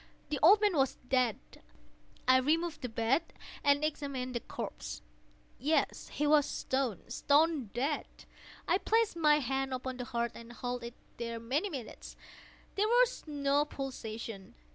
The old man was dead. I removed the bed and examined the corpse. Yes, he was stone, stone dead. I placed my hand upon the heart and held it there many minutes. There was no pulsation.